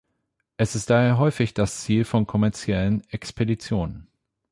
Er ist daher häufig das Ziel von kommerziellen Expeditionen.